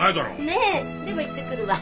ねえでも行ってくるわ。